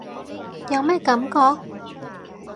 有咩感覺？